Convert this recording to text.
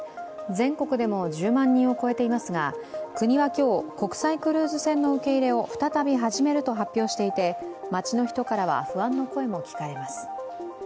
全国でも１０万人を超えていますが、国は今日、国際クルーズ船の受け入れを再び始めると発表していて街の人からは不安の声も聞かれます。